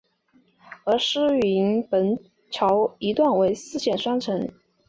而师云砵桥一段为四线双程。